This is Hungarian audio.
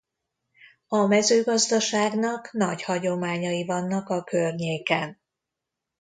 A mezőgazdaságnak nagy hagyományai vannak a környéken.